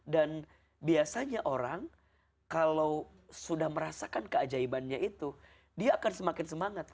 dan biasanya orang kalau sudah merasakan keajaibannya itu dia akan semakin semangat